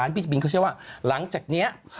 พี่บินเขาใช่วะ